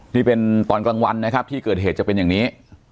นี่เป็นตอนกลางวันนะครับที่เกิดเหตุจะเป็นอย่างนี้